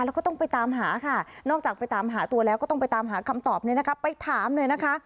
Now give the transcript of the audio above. แล้วก็ต้องไปตามหาค่ะนอกจากไปตามหาตัวแล้วก็ต้องไปตามหาคำตอบนี้นะคะไปถามเลยนะคะ